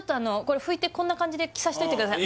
拭いてこんな感じで着させといてください